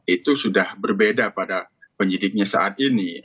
itu sudah berbeda pada penyidiknya saat ini